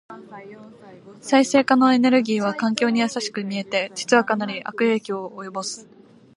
再生可能エネルギーは環境に優しく見えて、実はかなり悪影響を及ぼす。